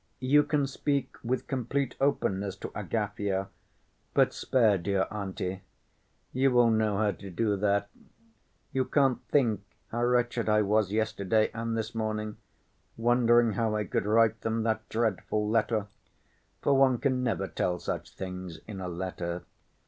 You can speak with complete openness to Agafya, but spare dear auntie. You will know how to do that. You can't think how wretched I was yesterday and this morning, wondering how I could write them that dreadful letter—for one can never tell such things in a letter....